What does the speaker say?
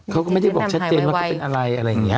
เขาก็ไม่ได้บอกชัดเจนว่าเขาเป็นอะไรอะไรอย่างนี้